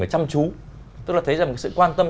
và chăm chú tức là thấy ra một cái sự quan tâm